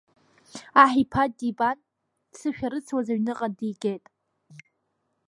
Аҳ иԥа дибан дсышәарыцуаз, аҩныҟа дигит.